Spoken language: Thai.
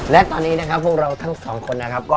และตอนนี้นะครับพวกเราทั้งสองคนนะครับ